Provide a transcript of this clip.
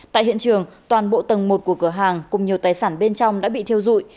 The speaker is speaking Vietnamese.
tại hiện trường toàn bộ tầng một của cửa hàng cùng nhiều tài sản bên trong đã bị thiêu dụi